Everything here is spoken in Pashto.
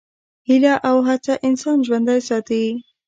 هیله او هڅه انسان ژوندی ساتي.